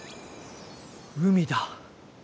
海だ！